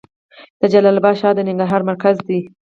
د جلال اباد ښار د ننګرهار مرکز دی